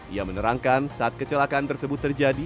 ia menerangkan saat kecelakaan tersebut terjadi